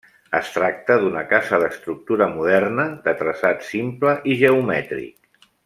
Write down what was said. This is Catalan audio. Es tracta d'una casa d'estructura moderna, de traçat simple i geomètric.